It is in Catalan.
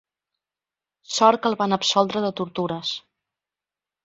Sort que el van absoldre de tortures.